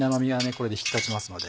これで引き立ちますので。